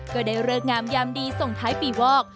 ก็ได้เลิกงามยามดีส่งท้ายปีวอก